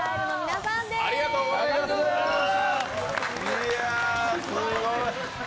いや、すごい。